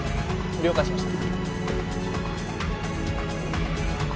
了解しました。